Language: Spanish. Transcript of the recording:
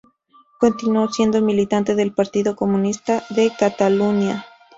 Continuó siendo militante del Partido Comunista de Catalunya.